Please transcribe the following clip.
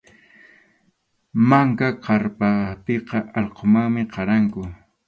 Manka kʼarpapiqa allqumanmi qaranku.